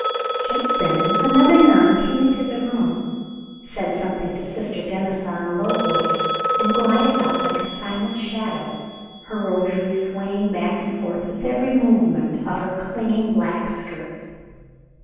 Just then another nun came into the room, said something to Sister Denisa in a low voice, and glided out like a silent shadow, her rosary swaying back and forth with every movement of her clinging black skirts.